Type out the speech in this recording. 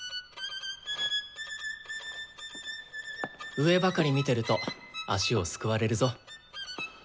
上ばかり見てると足をすくわれるぞ。